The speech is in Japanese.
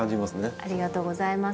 ありがとうございます。